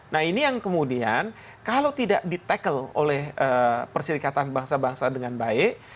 nah ini yang kemudian kalau tidak di tackle oleh perserikatan bangsa bangsa dengan baik